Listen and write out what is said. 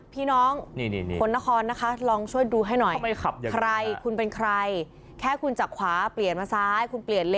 พี่น้องคนนครนะคะลองช่วยดูให้หน่อยใครคุณเป็นใครแค่คุณจากขวาเปลี่ยนมาซ้ายคุณเปลี่ยนเล